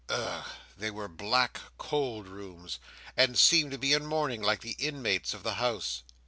Ugh! They were black, cold rooms; and seemed to be in mourning, like the inmates of the house.